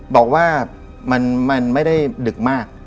บอกว่ามันไม่ได้ดึกมาก